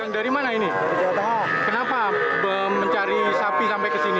dari mana ini kenapa mencari sapi sampai ke sini